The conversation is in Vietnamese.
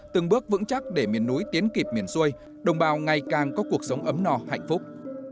từng bước vững chắc để miền núi tiến kịp miền xuôi đồng bào ngày càng có cuộc sống ấm no hạnh phúc